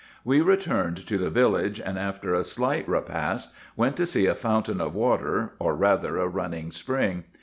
We returned to the village, and after a slight repast, went to see a fountain of water? or rather a running spring.